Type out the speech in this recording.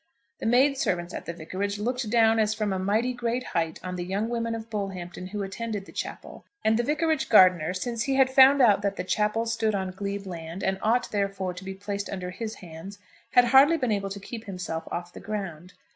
The maid servants at the vicarage looked down as from a mighty great height on the young women of Bullhampton who attended the chapel, and the vicarage gardener, since he had found out that the chapel stood on glebe land, and ought therefore, to be placed under his hands, had hardly been able to keep himself off the ground.